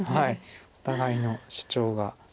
お互いの主張が。